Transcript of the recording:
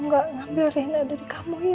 gak ngambil rena dari kamu ya